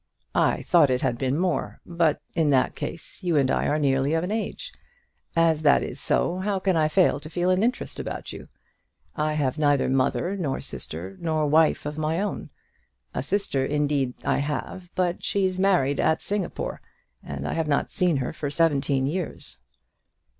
"I thought it had been more, but in that case you and I are nearly of an age. As that is so, how can I fail to feel an interest about you? I have neither mother, nor sister, nor wife of my own; a sister, indeed, I have, but she's married at Singapore, and I have not seen her for seventeen years."